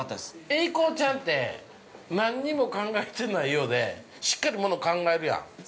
◆英孝ちゃんって何にも考えてないようで、しっかりもの考えるやん。